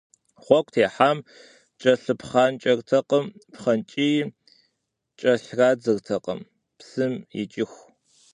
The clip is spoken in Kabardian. Гъуэгу техьам кӏэлъыпхъанкӏэртэкъым, пхъэнкӏии кӏэлърадзыртэкъым, псым икӏыху.